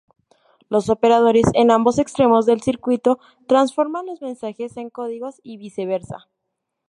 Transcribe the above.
Los operadores en ambos extremos del circuito transforman los mensajes en códigos y viceversa.